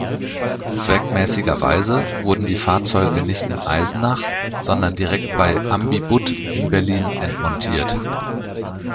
Zweckmäßigerweise wurden die Fahrzeuge nicht in Eisenach, sondern direkt bei Ambi-Budd in Berlin endmontiert.